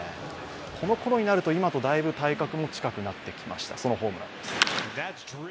このころになると今にだいぶ体格も近くなりましたソロホームランです。